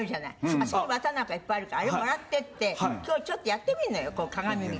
あそこ綿なんかいっぱいあるからあれもらってって今日ちょっとやってみるのよこう鏡見て。